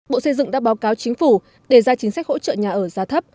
bộ xây dựng đã báo cáo chính phủ để ra chính sách hỗ trợ nhà ở giá thấp